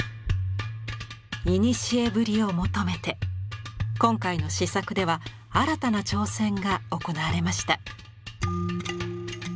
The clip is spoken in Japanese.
古ぶりを求めて今回の試作では新たな挑戦が行われました。